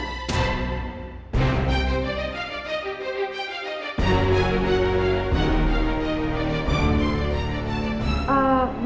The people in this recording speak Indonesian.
gak perlu dioperasi